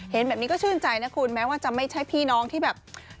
เห็นแบบนี้ก็ชื่นใจนะคุณแม้ว่าจะไม่ใช่พี่น้องที่แบบ